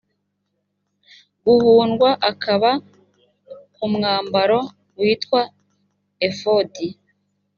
guhundwa akaba ku mwambaro witwa efodi